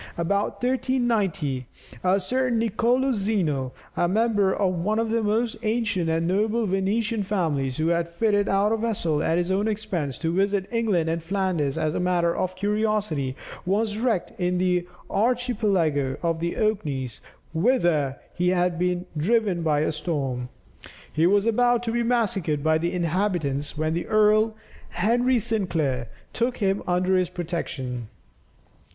About 1390, a certain Nicolo Zeno, a member of one of the most ancient and noble Venetian families, who had fitted out a vessel at his own expense, to visit England and Flanders as a matter of curiosity, was wrecked in the archipelago of the Orkneys whither he had been driven by a storm. He was about to be massacred by the inhabitants, when the Earl, Henry Sinclair took him under his protection.